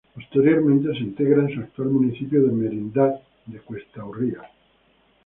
Posteriormente se integra en su actual municipio de Merindad de Cuesta Urria.